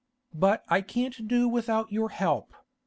But I can't do without your help.